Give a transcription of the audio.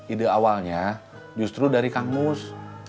ide awalnya justru dari kang mus